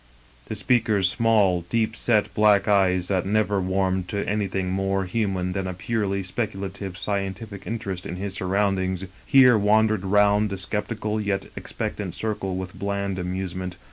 The speaker's small, deep set, black eyes, that never warmed to anything more human than a purely speculative scientific interest in his surroundings, here wandered round the skeptical yet expectant circle with bland amusement.